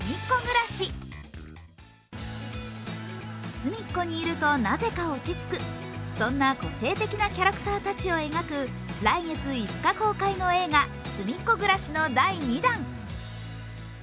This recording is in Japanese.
すみっコにいると、なぜ落ち着くそんな個性的なキャラクターたちを描く来月５日公開の映画「すみっコぐらし」の第二弾。